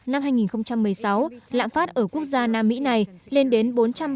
năm hai nghìn một mươi sáu lãng phát ở quốc gia nam mỹ này lên đến bốn trăm bảy mươi năm